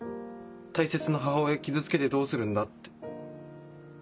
大切な母親傷つけてどうするんだって。